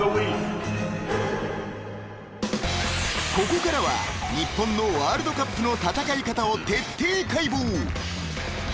［ここからは日本のワールドカップの戦い方を徹底解剖］